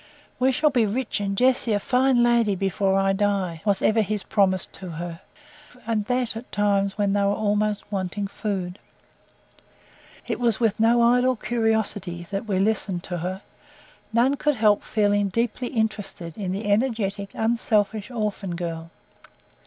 "We shall be rich, and Jessie a fine lady before I die," was ever his promise to her, and that at times when they were almost wanting food. It was with no idle curiosity that we listened to her; none could help feeling deeply interested in the energetic, unselfish, orphan girl.